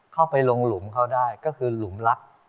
เข้าไปลงหลุมเขาได้ก็คือหลุมลัก